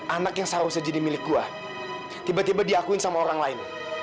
anak yang seharusnya jadi milik gua tiba tiba diakuin sama orang lain